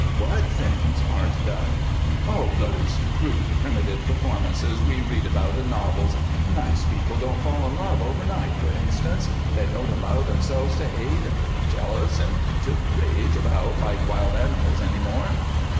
"What things aren't done?" "Oh, those crude, primitive performances we read about in novels. Nice people don't fall in love overnight, for instance. They don't allow themselves to hate, and be jealous, and to rage about like wild animals any more."